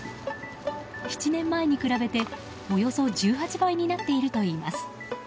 ７年前に比べて、およそ１８倍になっているといいます。